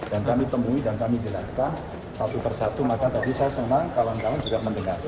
dan kami temui dan kami jelaskan satu persatu maka tadi saya senang kawan kawan juga mendengar